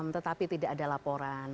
tetapi tidak ada laporan